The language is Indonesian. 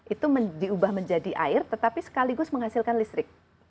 itu diubah menjadi air tetapi sekaligus menghasilkan listrik